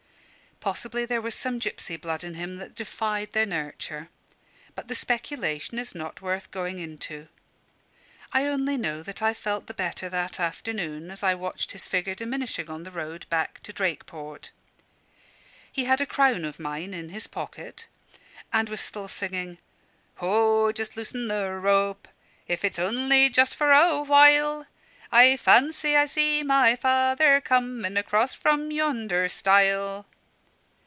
Possibly there was some gipsy blood in him that defied their nurture. But the speculation is not worth going into. I only know that I felt the better that afternoon as I watched his figure diminishing on the road back to Drakeport. He had a crown of mine in his pocket, and was still singing "Ho! just loosen the rope, If it's only just for a while; I fancy I see my father coming Across from yonder stile."